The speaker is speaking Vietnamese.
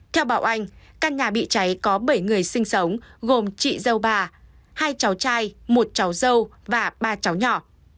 theo bảo anh căn nhà bị cháy có bảy người sinh sống gồm chị dâu bà hai cháu trai một cháu dâu và ba cháu nhỏ